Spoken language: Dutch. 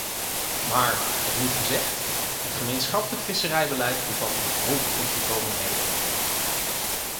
Maar, het moet gezegd, het gemeenschappelijk visserijbeleid bevat een hoop onvolkomenheden.